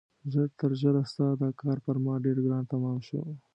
ژر تر ژره ستا دا کار پر ما ډېر ګران تمام شو.